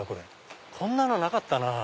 こんなのなかったなぁ。